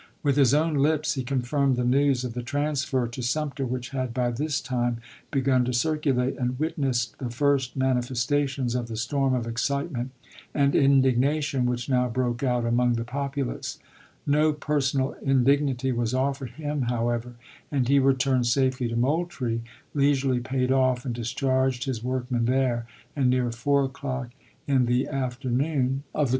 With his own lips, he confirmed the news of the transfer to Sumter which had by this time begun to circulate, and witnessed the first manifestations of the storm of excitement and indignation which now broke out among the populace. No personal indignity was offered him, however, and he returned safely to Moultrie, leisurely paid off and discharged his workmen there, and, near 4 o'clock in the after 56 ABEAHAM LINCOLN Chap. IV. Anderson to Adju tant Gen eral, Dec.